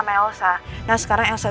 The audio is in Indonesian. gue lagi lemah banget zak